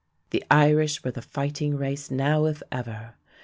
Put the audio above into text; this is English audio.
The Irish were the fighting race now if ever.